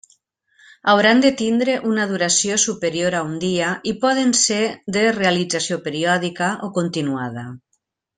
Hauran de tindre una duració superior a un dia i poden ser de realització periòdica o continuada.